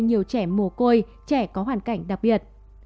nhiều trẻ mồ côi trẻ có hoàn cảnh đặc biệt